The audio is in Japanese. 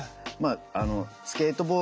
まあスケート